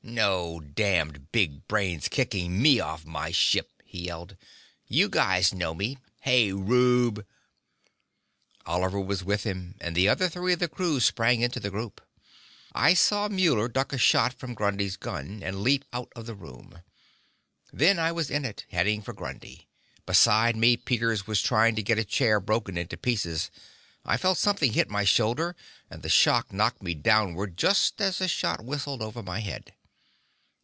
"No damned big brain's kicking me off my ship," he yelled. "You guys know me. Hey, roooob!" Oliver was with him, and the other three of the crew sprang into the group. I saw Muller duck a shot from Grundy's gun, and leap out of the room. Then I was in it, heading for Grundy. Beside me, Peters was trying to get a chair broken into pieces. I felt something hit my shoulder, and the shock knocked me downward, just as a shot whistled over my head.